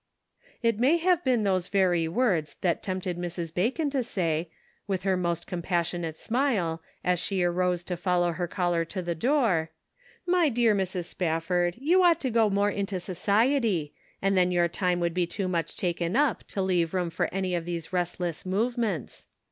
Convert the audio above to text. It may have been those very words that tempted Mrs. Bacon to say, with her most Seed Sown on Thorny Ground. 229 compassionate smile, as she arose to follow her caller to the door :" My dear Mrs. Spafford, you ought to go more into society, and then your time would be too much taken up to leave room for any of these restless movements.